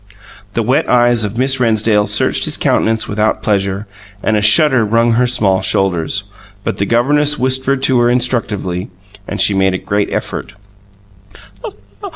The wet eyes of Miss Rennsdale searched his countenance without pleasure, and a shudder wrung her small shoulders; but the governess whispered to her instructively, and she made a great effort.